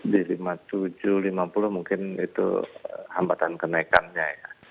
di lima tujuh lima puluh mungkin itu hambatan kenaikannya